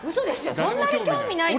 そんなに興味ないの？